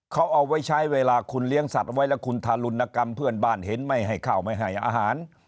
เขาเอาไว้ใช้เวลาคุณเลี้ยงสัตว์ไว้แล้วคุณทารุณกรรมเพื่อนบ้านเห็นไม่ให้ข้าวไม่ให้อาหาร